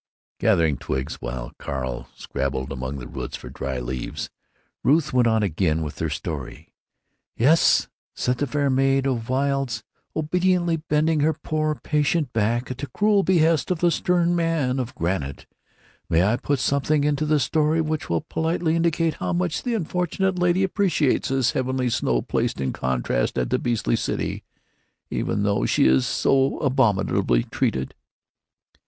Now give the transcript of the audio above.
Gathering twigs while Carl scrabbled among the roots for dry leaves, Ruth went on again with their story: "'Yes,' said the fair maid o' the wilds, obediently, bending her poor, patient back at the cruel behest of the stern man of granite.... May I put something into the story which will politely indicate how much the unfortunate lady appreciates this heavenly snow place in contrast to the beastly city, even though she is so abominably treated?"